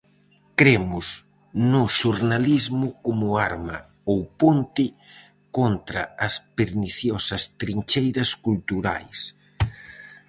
Cremos no xornalismo como arma -ou ponte- contra as perniciosas trincheiras culturais.